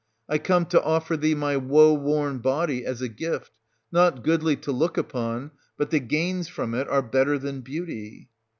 I come to offer thee my woe worn body as a gift, — not goodly to look upon ; but the gains from it are better than beauty.